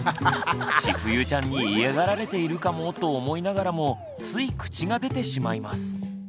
ちふゆちゃんに嫌がられているかも？と思いながらもつい口が出てしまいます。